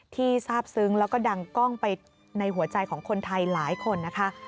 ทราบซึ้งแล้วก็ดังกล้องไปในหัวใจของคนไทยหลายคนนะคะ